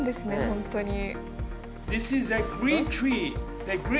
本当に。